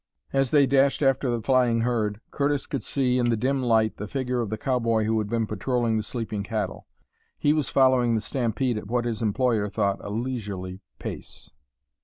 As they dashed after the flying herd Curtis could see in the dim light the figure of the cowboy who had been patrolling the sleeping cattle. He was following the stampede at what his employer thought a leisurely pace.